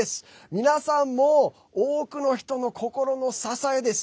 皆さんも多くの人の心の支えです。